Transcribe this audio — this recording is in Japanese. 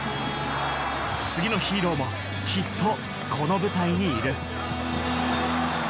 次のヒーローもきっとこの舞台にいる。